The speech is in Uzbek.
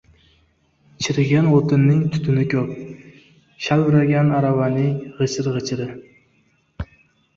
• Chirigan o‘tinning tutuni ko‘p, shalviragan aravaning — g‘ichir-g‘ichiri.